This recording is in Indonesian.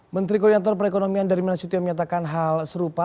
menteri koordinator perekonomian dari manasutio menyatakan hal serupa